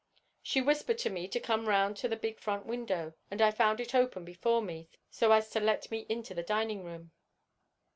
She whispered to me to come round to the big front window, and I found it open before me so as to let me into the dining room.